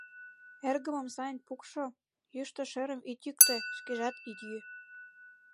Эргымым сайын пукшо, йӱштӧ шӧрым ит йӱктӧ, шкежат ит йӱ».